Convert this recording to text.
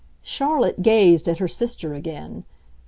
Charlotte gazed at her sister again.